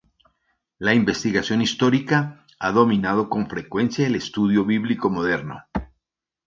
La investigación histórica ha dominado con frecuencia el estudio bíblico moderno.